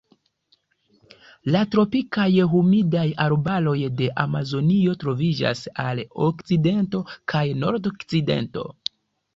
La tropikaj humidaj arbaroj de Amazonio troviĝas al okcidento kaj nordokcidento.